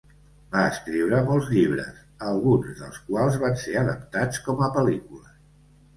Va escriure molts llibres, alguns dels quals van ser adaptats com a pel·lícules.